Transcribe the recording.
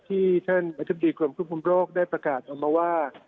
ที่เช่นบัทที่ดีกรมคุณคุมโลกได้ประกาศออกมาว่า